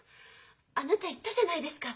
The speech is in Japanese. あなた言ったじゃないですか。